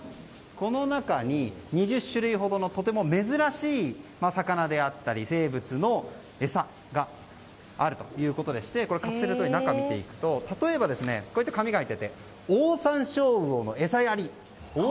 この中に２０種類ほどのとても珍しい魚であったり生物の餌があるということでしてカプセルトイの中を見ていくと例えばこういった紙が入っていてオオサンショウウオの餌やり。